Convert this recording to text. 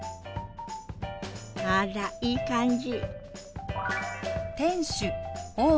あらいい感じ！